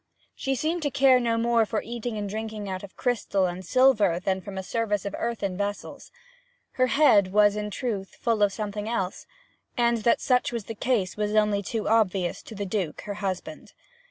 She seemed to care no more for eating and drinking out of crystal and silver than from a service of earthen vessels. Her head was, in truth, full of something else; and that such was the case was only too obvious to the Duke, her husband.